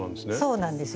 そうなんです。